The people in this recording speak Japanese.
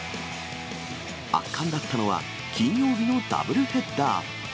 圧巻だったのは、金曜日のダブルヘッダー。